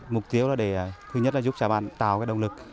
mục tiêu là để thứ nhất là giúp xã văn tạo cái động lực